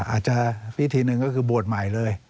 อาจจะพิธีหนึ่งก็คือบวชใหม่เลย